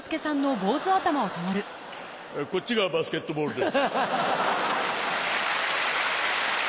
こっちがバスケットボールです。